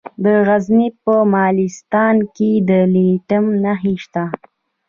د غزني په مالستان کې د لیتیم نښې شته.